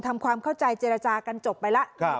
ทำความเข้าใจเจรจากันจบไปแล้ว